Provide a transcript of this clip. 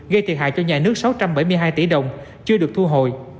gây thiệt hại cho nhà nước sáu trăm bảy mươi hai tỷ đồng chưa được thu hồi